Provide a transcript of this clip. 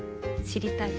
知りたい？